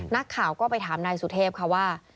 นักข่าวก็ไปถามนายสุเทพค่ะว่า